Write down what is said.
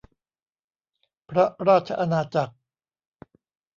พระราชอาณาจักร